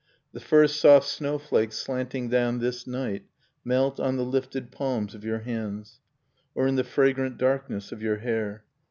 ,. The first soft snoAvflakes slanting down this night Melt on the lifted palms of your hands, Or in the fragrant darkness of your hair